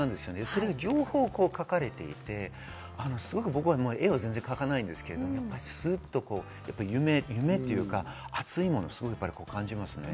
それが両方、描かれていて僕は絵は全然描かないんですけど、スッと夢というか熱いものを感じますね。